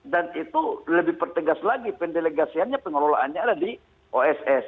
dan itu lebih pertengas lagi pendelegasiannya pengelolaannya ada di oss